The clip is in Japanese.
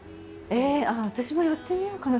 ああ私もやってみようかな。